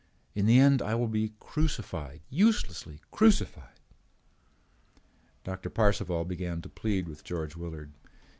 "In the end I will be crucified, uselessly crucified." Doctor Parcival began to plead with George Willard.